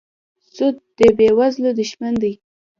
سود د بېوزلو دښمن دی.